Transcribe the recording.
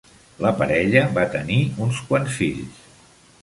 La parella va tenir uns quants fills.